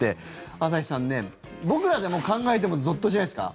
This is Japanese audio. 朝日さん、僕らで考えてもゾッとしないですか？